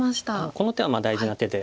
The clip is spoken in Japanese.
この手は大事な手で。